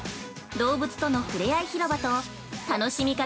動物とのふれあい広場と楽しみ方